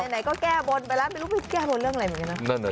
ไหนก็แก้บนไปแล้วไม่รู้ไปแก้บนเรื่องอะไรเหมือนกันนะ